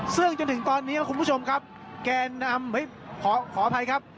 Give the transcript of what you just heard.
ซึ่งจนถึงตอนนี้ครับคุณผู้ชมครับแกนนำขออภัยครับ